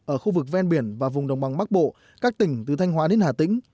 ở khu vực ven biển và vùng đồng bằng bắc bộ các tỉnh từ thanh hóa đến hà tĩnh